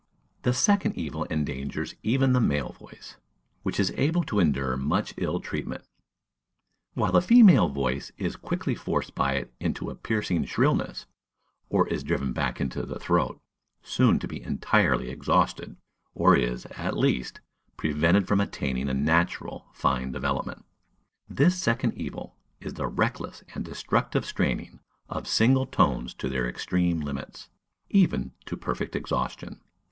The second evil endangers even the male voice, which is able to endure much ill treatment; while the female voice is quickly forced by it into a piercing shrillness, or is driven back into the throat, soon to be entirely exhausted, or is, at least, prevented from attaining a natural, fine development. This second evil is the reckless and destructive straining of single tones to their extreme limits, even to perfect exhaustion.